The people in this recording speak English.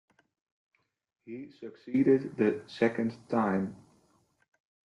He succeeded the second time.